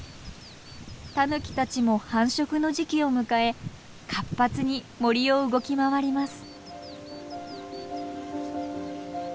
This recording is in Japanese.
タヌキたちも繁殖の時期を迎え活発に森を動き回ります。